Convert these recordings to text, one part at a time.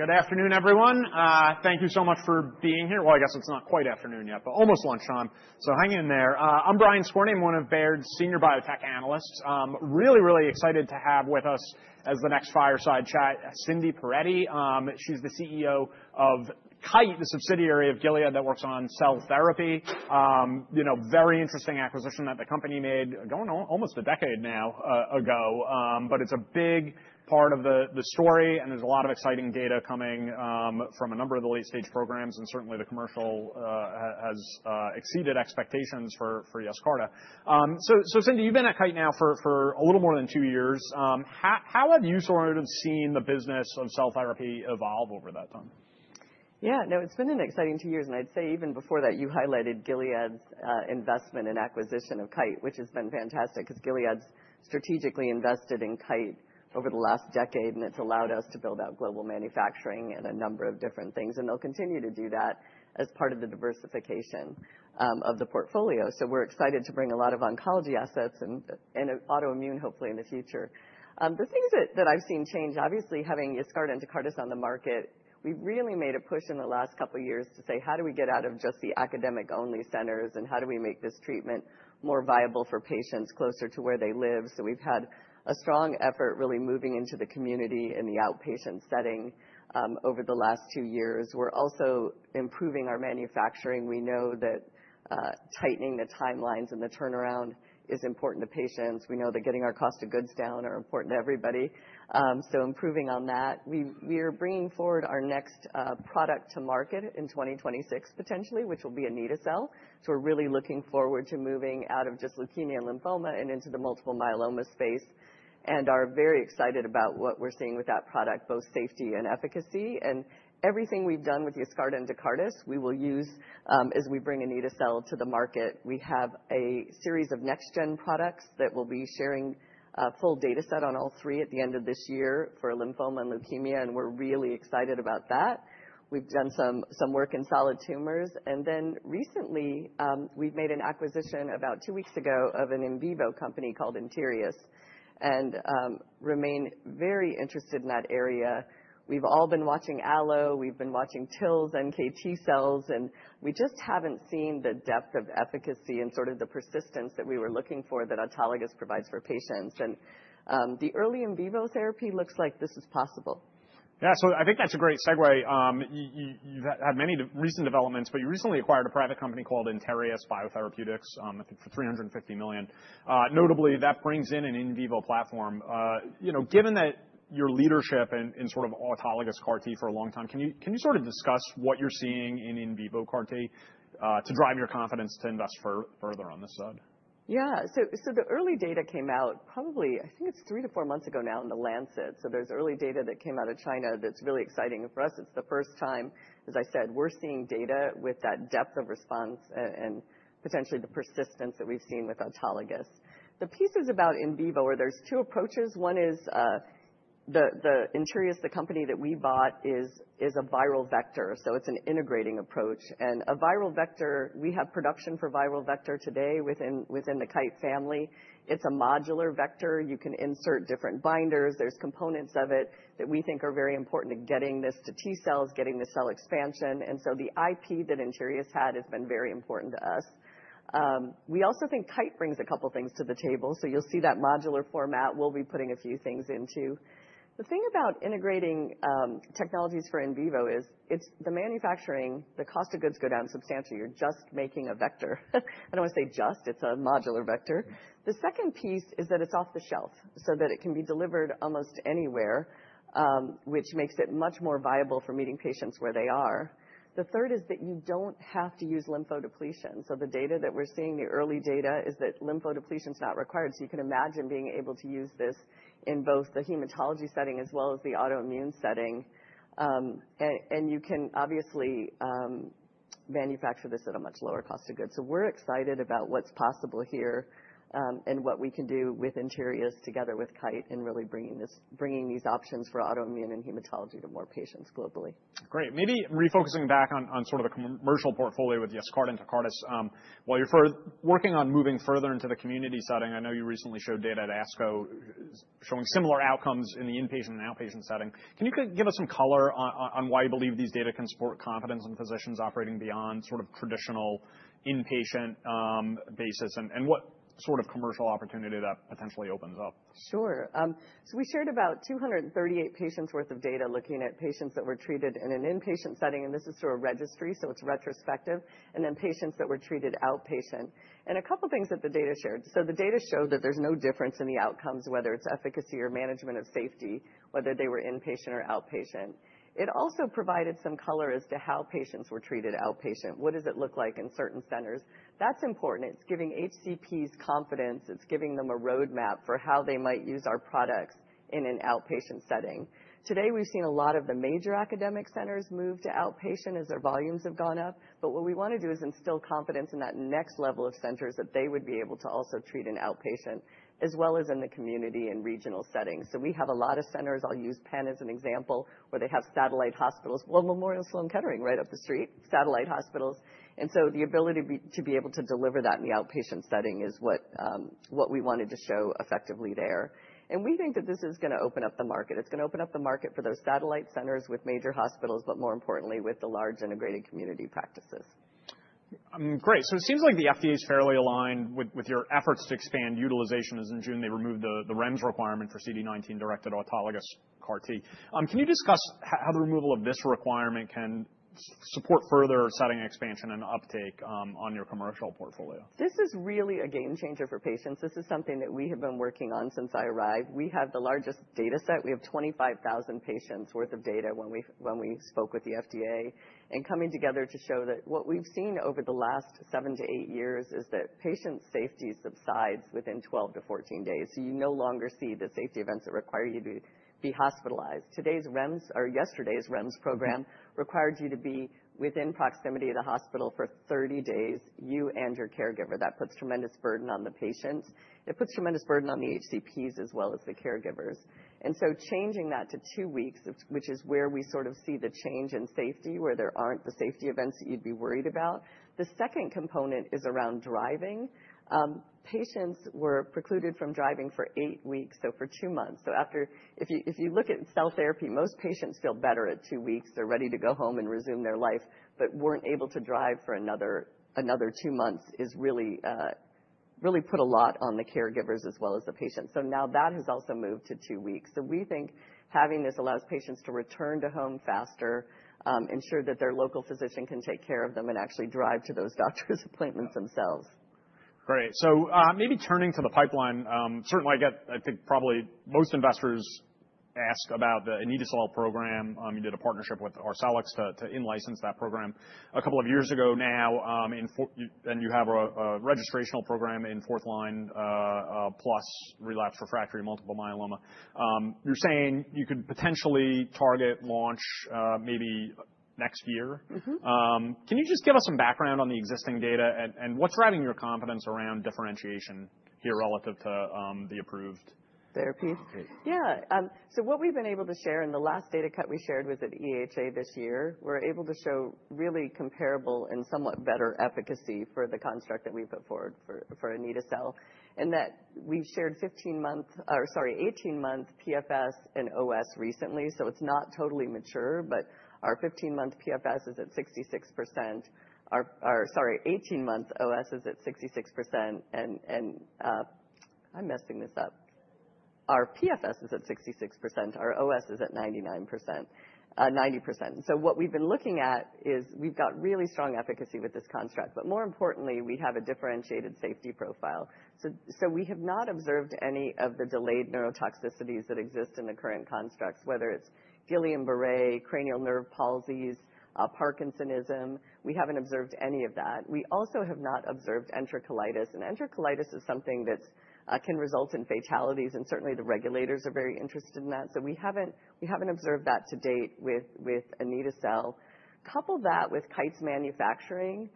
Good afternoon, everyone. Thank you so much for being here. Well, I guess it's not quite afternoon yet, but almost lunchtime. So hang in there. I'm Brian Skorney, one of Baird's senior biotech analysts. Really, really excited to have with us as the next fireside chat, Cindy Perettie. She's the CEO of Kite, the subsidiary of Gilead that works on cell therapy. You know, very interesting acquisition that the company made going on almost a decade now, ago. But it's a big part of the story, and there's a lot of exciting data coming from a number of the late-stage programs, and certainly the commercial has exceeded expectations for Yescarta. So, so Cindy, you've been at Kite now for a little more than two years. How have you sort of seen the business of cell therapy evolve over that time? Yeah, no, it's been an exciting two years, and I'd say even before that, you highlighted Gilead's investment and acquisition of Kite, which has been fantastic 'cause Gilead's strategically invested in Kite over the last decade, and it's allowed us to build out global manufacturing and a number of different things, and they'll continue to do that as part of the diversification of the portfolio, so we're excited to bring a lot of oncology assets and, and autoimmune hopefully in the future, the things that, that I've seen change, obviously having Yescarta and Tecartus on the market, we've really made a push in the last couple of years to say, how do we get out of just the academic-only centers, and how do we make this treatment more viable for patients closer to where they live? We've had a strong effort really moving into the community in the outpatient setting over the last two years. We're also improving our manufacturing. We know that tightening the timelines and the turnaround is important to patients. We know that getting our cost of goods down are important to everybody, so improving on that. We are bringing forward our next product to market in 2026 potentially, which will be Anito-cel. We're really looking forward to moving out of just leukemia and lymphoma and into the multiple myeloma space. We're very excited about what we're seeing with that product, both safety and efficacy. Everything we've done with Yescarta and Tecartus, we will use as we bring Anito-cel to the market. We have a series of next-gen products that we'll be sharing a full data set on all three at the end of this year for lymphoma and leukemia, and we're really excited about that. We've done some work in solid tumors. And then recently, we've made an acquisition about two weeks ago of an in vivo company called Interius and remain very interested in that area. We've all been watching ALLO, we've been watching TILs and NK cells, and we just haven't seen the depth of efficacy and sort of the persistence that we were looking for that autologous provides for patients. And the early in vivo therapy looks like this is possible. Yeah, so I think that's a great segue. You, you've had many recent developments, but you recently acquired a private company called Interius BioTherapeutics, I think for $350 million. Notably that brings in an in vivo platform. You know, given that your leadership in, in sort of autologous CAR-T for a long time, can you sort of discuss what you're seeing in in vivo CAR-T, to drive your confidence to invest further on this side? Yeah, so the early data came out probably. I think it's three to four months ago now in the Lancet. There's early data that came out of China that's really exciting. For us, it's the first time, as I said, we're seeing data with that depth of response and potentially the persistence that we've seen with autologous. The piece is about in vivo where there's two approaches. One is the Interius, the company that we bought is a viral vector. It's an integrating approach. For a viral vector, we have production for viral vector today within the Kite family. It's a modular vector. You can insert different binders. There are components of it that we think are very important to getting this to T cells, getting the cell expansion. The IP that Interius had has been very important to us. We also think Kite brings a couple of things to the table. So you'll see that modular format we'll be putting a few things into. The thing about integrating technologies for in vivo is it's the manufacturing, the cost of goods go down substantially. You're just making a vector. I don't wanna say just, it's a modular vector. The second piece is that it's off the shelf so that it can be delivered almost anywhere, which makes it much more viable for meeting patients where they are. The third is that you don't have to use lymphodepletion. So the data that we're seeing, the early data is that lymphodepletion's not required. So you can imagine being able to use this in both the hematology setting as well as the autoimmune setting. And you can obviously manufacture this at a much lower cost of goods. So we're excited about what's possible here, and what we can do with Interius together with Kite and really bringing this, bringing these options for autoimmune and hematology to more patients globally. Great. Maybe refocusing back on, on sort of the commercial portfolio with Yescarta and Tecartus. While you're further working on moving further into the community setting, I know you recently showed data at ASCO showing similar outcomes in the inpatient and outpatient setting. Can you give us some color on, on, on why you believe these data can support confidence in physicians operating beyond sort of traditional inpatient basis and, and what sort of commercial opportunity that potentially opens up? Sure. So we shared about 238 patients' worth of data looking at patients that were treated in an inpatient setting, and this is through a registry, so it's retrospective, and then patients that were treated outpatient, and a couple of things that the data shared. So the data showed that there's no difference in the outcomes, whether it's efficacy or management of safety, whether they were inpatient or outpatient. It also provided some color as to how patients were treated outpatient. What does it look like in certain centers? That's important. It's giving HCPs confidence. It's giving them a roadmap for how they might use our products in an outpatient setting. Today, we've seen a lot of the major academic centers move to outpatient as their volumes have gone up. But what we wanna do is instill confidence in that next level of centers that they would be able to also treat in outpatient as well as in the community and regional settings. So we have a lot of centers. I'll use Penn as an example, where they have satellite hospitals. Well, Memorial Sloan Kettering right up the street, satellite hospitals. And so the ability to be able to deliver that in the outpatient setting is what we wanted to show effectively there. And we think that this is gonna open up the market. It's gonna open up the market for those satellite centers with major hospitals, but more importantly, with the large integrated community practices. Great. So it seems like the FDA's fairly aligned with your efforts to expand utilization, as in June, they removed the REMS requirement for CD19-directed autologous CAR-T. Can you discuss how the removal of this requirement can support further setting expansion and uptake on your commercial portfolio? This is really a game changer for patients. This is something that we have been working on since I arrived. We have the largest data set. We have 25,000 patients' worth of data when we spoke with the FDA and coming together to show that what we've seen over the last seven to eight years is that patient safety subsides within 12-14 days. So you no longer see the safety events that require you to be hospitalized. Today's REMS, or yesterday's REMS program required you to be within proximity of the hospital for 30 days, you and your caregiver. That puts tremendous burden on the patients. It puts tremendous burden on the HCPs as well as the caregivers. Changing that to two weeks, which is where we sort of see the change in safety where there aren't the safety events that you'd be worried about. The second component is around driving. Patients were precluded from driving for eight weeks, so for two months. After, if you, if you look at cell therapy, most patients feel better at two weeks. They're ready to go home and resume their life, but weren't able to drive for another, another two months is really, really put a lot on the caregivers as well as the patients. Now that has also moved to two weeks. We think having this allows patients to return to home faster, ensure that their local physician can take care of them and actually drive to those doctor's appointments themselves. Great. So, maybe turning to the pipeline, certainly I get. I think probably most investors ask about the Anito-cel program. You did a partnership with Arcelix to in-license that program a couple of years ago now. In 4L, you have a registrational program in fourth line, plus relapsed refractory multiple myeloma. You're saying you could potentially target launch, maybe next year. Mm-hmm. Can you just give us some background on the existing data and what's driving your confidence around differentiation here relative to the approved? Therapies. Great. Yeah. So what we've been able to share in the last data cut we shared was at EHA this year. We're able to show really comparable and somewhat better efficacy for the construct that we put forward for Anito-cel. And that we've shared 18-month PFS and OS recently. So it's not totally mature, but our 15-month PFS is at 66%. Our 18-month OS is at 66%. Our PFS is at 66%. Our OS is at 90%. So what we've been looking at is we've got really strong efficacy with this construct. But more importantly, we have a differentiated safety profile. So we have not observed any of the delayed neurotoxicities that exist in the current constructs, whether it's Guillain-Barré, cranial nerve palsies, Parkinsonism. We haven't observed any of that. We also have not observed enterocolitis. Enterocolitis is something that's can result in fatalities. Certainly the regulators are very interested in that. We haven't observed that to date with Anito-cel. Couple that with Kite's manufacturing.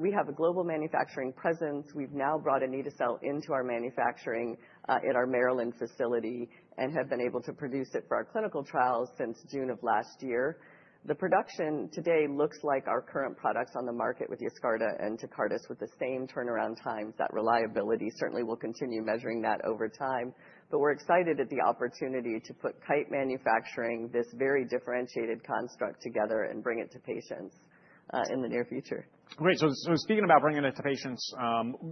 We have a global manufacturing presence. We've now brought Anito-cel into our manufacturing at our Maryland facility and have been able to produce it for our clinical trials since June of last year. The production today looks like our current products on the market with Yescarta and Tecartus with the same turnaround times. That reliability certainly will continue measuring that over time. We're excited at the opportunity to put Kite manufacturing this very differentiated construct together and bring it to patients in the near future. Great. So speaking about bringing it to patients,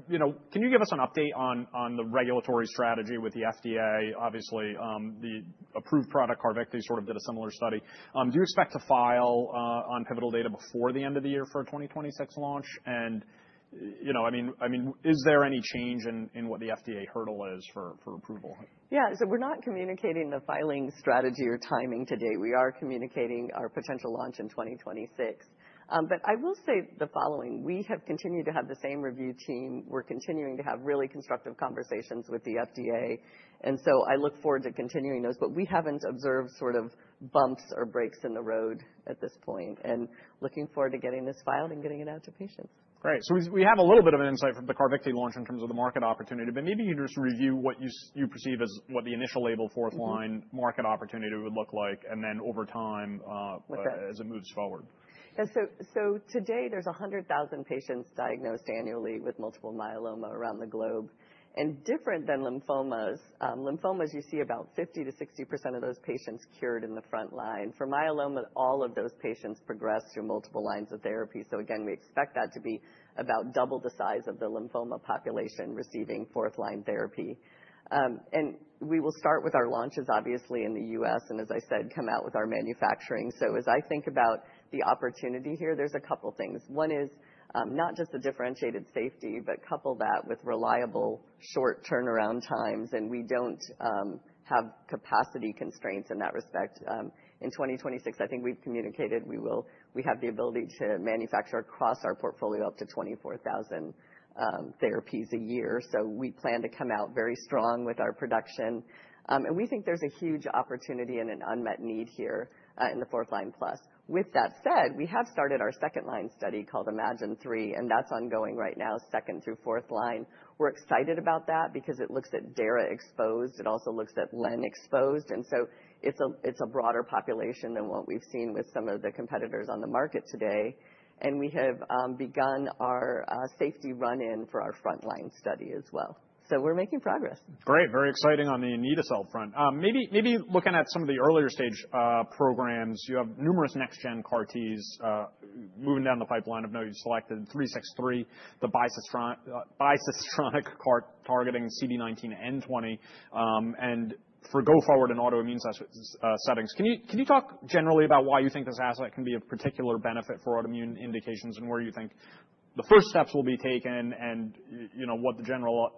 you know, can you give us an update on the regulatory strategy with the FDA? Obviously, the approved product Carvykti, they sort of did a similar study. Do you expect to file on pivotal data before the end of the year for a 2026 launch? And, you know, I mean, is there any change in what the FDA hurdle is for approval? Yeah. So we're not communicating the filing strategy or timing today. We are communicating our potential launch in 2026. But I will say the following. We have continued to have the same review team. We're continuing to have really constructive conversations with the FDA. And so I look forward to continuing those, but we haven't observed sort of bumps or breaks in the road at this point, and looking forward to getting this filed and getting it out to patients. Great. So we have a little bit of an insight from the Carvykti launch in terms of the market opportunity, but maybe you just review what you perceive as what the initial label fourth line market opportunity would look like and then over time, With that. As it moves forward. Yeah. So today there's a hundred thousand patients diagnosed annually with multiple myeloma around the globe. And different than lymphomas, you see about 50%-60% of those patients cured in the front line. For myeloma, all of those patients progress through multiple lines of therapy. So again, we expect that to be about double the size of the lymphoma population receiving fourth-line therapy. And we will start with our launches, obviously, in the US and as I said, come out with our manufacturing. So as I think about the opportunity here, there's a couple of things. One is, not just the differentiated safety, but couple that with reliable short turnaround times and we don't have capacity constraints in that respect. In 2026, I think we've communicated we will, we have the ability to manufacture across our portfolio up to 24,000 therapies a year. We plan to come out very strong with our production, and we think there's a huge opportunity and an unmet need here in the fourth-line plus. With that said, we have started our second-line study called iMMagine-3, and that's ongoing right now, second- through fourth-line. We're excited about that because it looks at Dara-exposed. It also looks at Len-exposed. And so it's a broader population than what we've seen with some of the competitors on the market today. And we have begun our safety run-in for our frontline study as well. So we're making progress. Great. Very exciting on the Anito-cel front. Maybe looking at some of the earlier-stage programs, you have numerous next-gen CAR-Ts moving down the pipeline, like KITE-363, the bicistronic targeting CD19 and CD20, and going forward in autoimmune settings. Can you talk generally about why you think this asset can be of particular benefit for autoimmune indications and where you think the first steps will be taken and, you know, what the general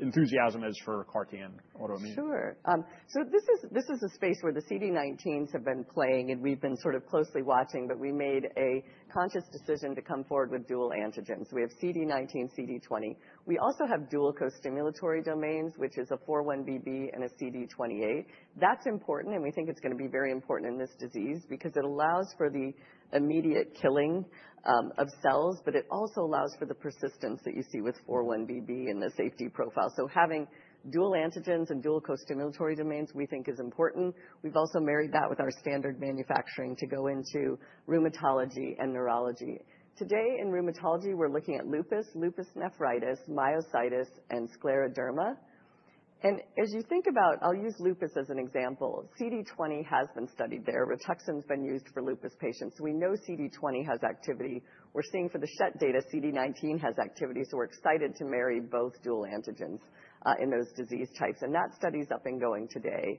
enthusiasm is for CAR T and autoimmune? Sure. So this is a space where the CD19s have been playing and we've been sort of closely watching, but we made a conscious decision to come forward with dual antigens. We have CD19, CD20. We also have dual co-stimulatory domains, which is a 4-1BB and a CD28. That's important. And we think it's gonna be very important in this disease because it allows for the immediate killing of cells, but it also allows for the persistence that you see with 4-1BB in the safety profile. So having dual antigens and dual co-stimulatory domains we think is important. We've also married that with our standard manufacturing to go into rheumatology and neurology. Today in rheumatology, we're looking at lupus, lupus nephritis, myositis, and scleroderma. And as you think about, I'll use lupus as an example. CD20 has been studied there. Rituxan's been used for lupus patients. We know CD20 has activity. We're seeing for the Schett data, CD19 has activity. So we're excited to marry both dual antigens, in those disease types, and that study's up and going today.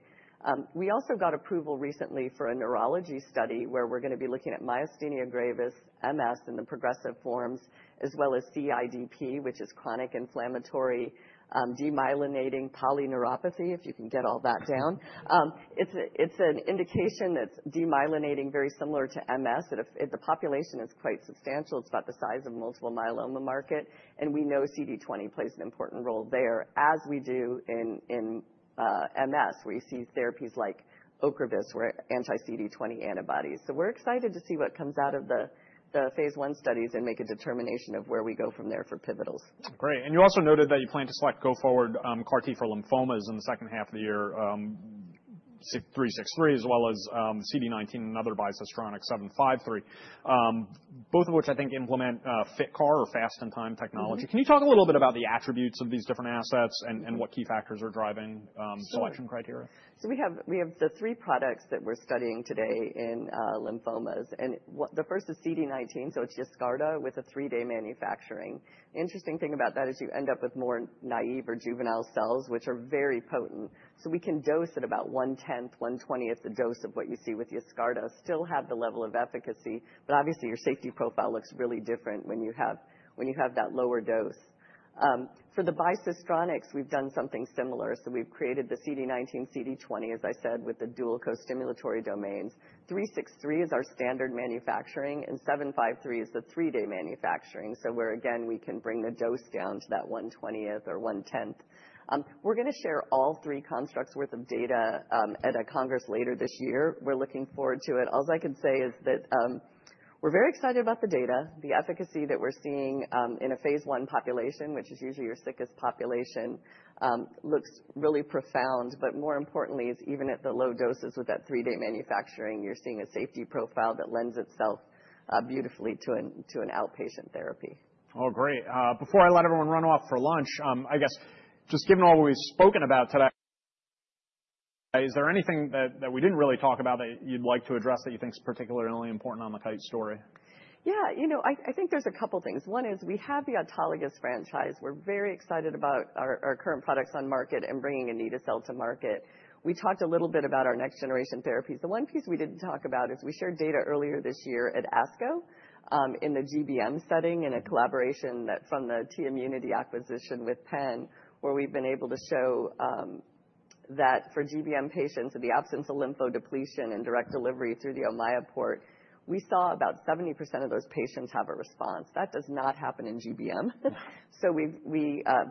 We also got approval recently for a neurology study where we're gonna be looking at myasthenia gravis, MS in the progressive forms, as well as CIDP, which is chronic inflammatory, demyelinating polyneuropathy, if you can get all that down. It's an indication that's demyelinating very similar to MS that the population is quite substantial, it's about the size of multiple myeloma market. And we know CD20 plays an important role there as we do in MS where you see therapies like Ocrevus where anti-CD20 antibodies, so we're excited to see what comes out of the phase one studies and make a determination of where we go from there for pivotals. Great. And you also noted that you plan to select go forward CAR T for lymphomas in the second half of the year, KITE-363 as well as CD19 and CD20 bicistronic KITE-753, both of which I think implement FitCar or fast in time technology. Can you talk a little bit about the attributes of these different assets and what key factors are driving selection criteria? We have the three products that we're studying today in lymphomas. What the first is CD19. It's Yescarta with a three-day manufacturing. The interesting thing about that is you end up with more naive or juvenile cells, which are very potent. We can dose at about one tenth, one twentieth the dose of what you see with Yescarta, still have the level of efficacy, but obviously your safety profile looks really different when you have that lower dose. For the bicistronic, we've done something similar. We've created the CD19, CD20, as I said, with the dual co-stimulatory domains. 363 is our standard manufacturing and 753 is the three-day manufacturing. We can bring the dose down to that one twentieth or one tenth. We're gonna share all three constructs worth of data at a Congress later this year. We're looking forward to it. All I can say is that, we're very excited about the data, the efficacy that we're seeing, in a phase one population, which is usually your sickest population, looks really profound. But more importantly, even at the low doses with that three-day manufacturing, you're seeing a safety profile that lends itself, beautifully to an outpatient therapy. Oh, great. Before I let everyone run off for lunch, I guess just given all we've spoken about today, is there anything that we didn't really talk about that you'd like to address that you think's particularly important on the Kite story? Yeah. You know, I think there's a couple of things. One is we have the autologous franchise. We're very excited about our current products on market and bringing Anito-cel to market. We talked a little bit about our next generation therapies. The one piece we didn't talk about is we shared data earlier this year at ASCO, in the GBM setting in a collaboration that from the Tmunity acquisition with Penn, where we've been able to show that for GBM patients in the absence of lymphodepletion and direct delivery through the Ommaya port, we saw about 70% of those patients have a response. That does not happen in GBM. So we've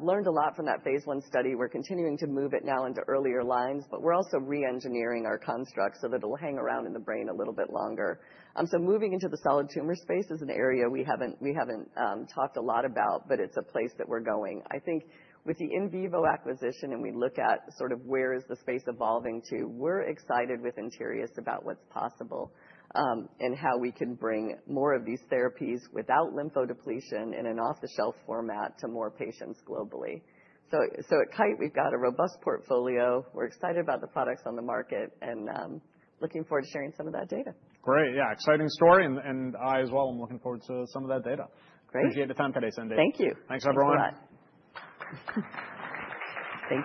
learned a lot from that phase 1 study. We're continuing to move it now into earlier lines, but we're also re-engineering our construct so that it'll hang around in the brain a little bit longer. So moving into the solid tumor space is an area we haven't talked a lot about, but it's a place that we're going. I think with the in vivo acquisition and we look at sort of where is the space evolving to, we're excited with Interius about what's possible, and how we can bring more of these therapies without lymphodepletion in an off-the-shelf format to more patients globally. So at Kite, we've got a robust portfolio. We're excited about the products on the market and looking forward to sharing some of that data. Great. Yeah. Exciting story. And, I as well, I'm looking forward to some of that data. Great. Appreciate the time today, Cindy. Thank you. Thanks, everyone. Thank you.